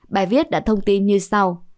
bài viết đã thông tin như sau